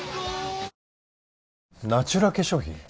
ナチュラ化粧品？